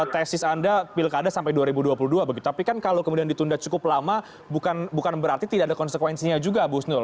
tesis anda pilkada sampai dua ribu dua puluh dua begitu tapi kan kalau kemudian ditunda cukup lama bukan berarti tidak ada konsekuensinya juga bus nur